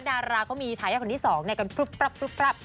ดาราก็มีฐาอย่างคนที่สองเนี่ยกันปรุ๊บปรับปรุ๊บปรับ